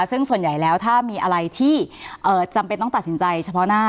ซึ่งส่วนใหญ่แล้วถ้ามีอะไรที่จำเป็นต้องตัดสินใจเฉพาะหน้า